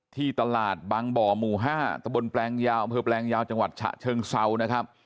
ที่ตลาดบางบ่อหมู่๕ตะบนแปลงยาวอำเภอแปลงยาวจังหวัดฉะเชิงเซานะครับ